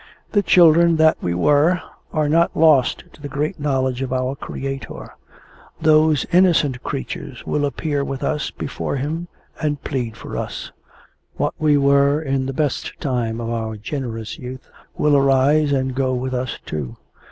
The children that we were, are not lost to the great knowledge of our Creator. Those innocent creatures will appear with us before Him, and plead for us. What we were in the best time of our generous youth will arise and go with us too.